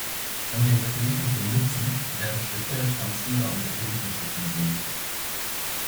Um den Satelliten zu nützen, werden spezielle Transceiver und Satellitenschüsseln benötigt.